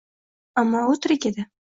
Ammo u tirik edi!